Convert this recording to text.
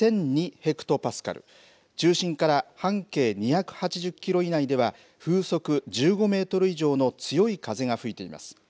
ヘクトパスカル、中心から半径２８０キロ以内では、風速１５メートル以上の強い風が吹いています。